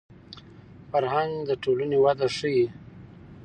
فرهنګ د ټولنې وده ښيي